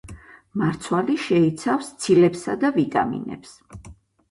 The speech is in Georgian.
მარცვალი შეიცავს ცილებსა და ვიტამინებს.